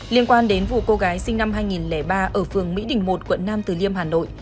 liên quan đến vụ cô gái sinh năm hai nghìn ba ở phường mỹ đình một quận nam từ liêm hà nội